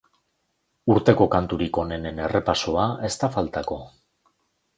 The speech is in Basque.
Urteko kanturik onenen errepasoa ez da faltako.